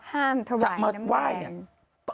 ห้ามถวายน้ำแดง